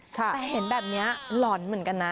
แต่เห็นแบบนี้หลอนเหมือนกันนะ